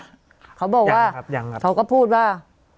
เขาบอกว่าเขาก็พูดว่า